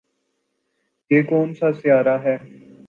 یہ کون سا سیارہ ہے